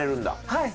はい。